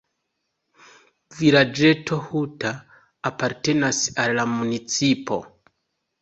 Vilaĝeto "Huta" apartenas al la municipo.